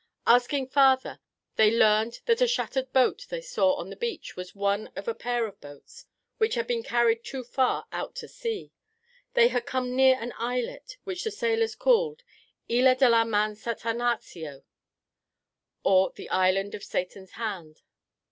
Asking farther, they learned that a shattered boat they saw on the beach was one of a pair of boats which had been carried too far out to sea, and had come near an islet which the sailors called Isla de la Man Satanaxio, or The Island of Satan's Hand.